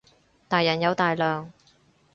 大人有大量